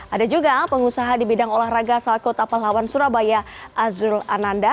ada juga pengusaha di bidang olahraga salco tapalawan surabaya azrul ananda